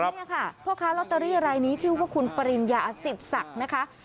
นี่ค่ะพ่อค้าลอตเตอรี่รายนี้ชื่อว่าคุณปริญญาสิทธิ์ศักดิ์นะคะ